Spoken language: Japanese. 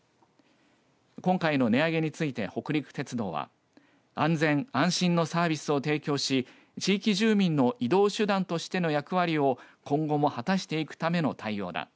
今回の値上げについて北陸鉄道は安全・安心のサービスを提供し地域住民の移動手段としての役割を今後も果たしていくための対応だ。